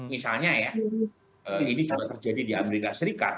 misalnya ya ini juga terjadi di amerika serikat